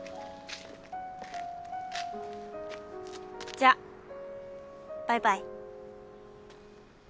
じゃあバイバイ。